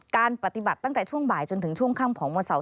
การปฏิบัติตั้งแต่ช่วงบ่ายจนถึงช่วงค่ำของวันเสาร์